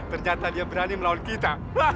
ternyata dia berani melawan kita